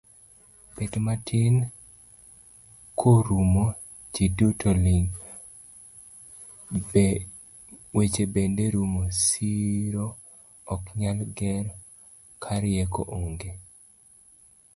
Bedo matin korumo, ji duto ling, weche bende rumo, siro oknyal ger karieko onge.